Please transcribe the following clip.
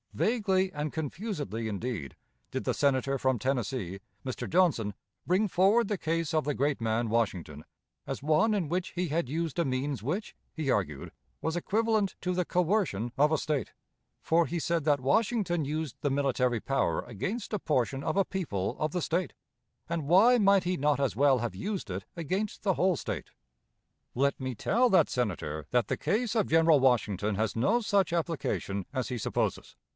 Vaguely and confusedly, indeed, did the Senator from Tennessee [Mr. Johnson] bring forward the case of the great man, Washington, as one in which he had used a means which, he argued, was equivalent to the coercion of a State; for he said that Washington used the military power against a portion of a people of the State; and why might he not as well have used it against the whole State? Let me tell that Senator that the case of General Washington has no such application as he supposes.